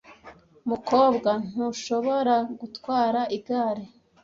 mukobwa ntdushoboragutwara igare.